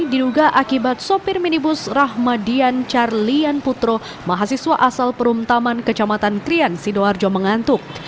diduga akibat sopir minibus rahmadian carlian putro mahasiswa asal perumtaman kecamatan krian sidoarjo mengantuk